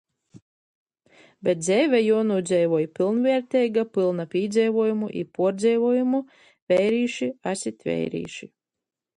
Bet dzeive juonūdzeivoj pylnvierteiga, pylna pīdzeivuojumu i puordzeivuojumu... Veirīši esit veirīši!!...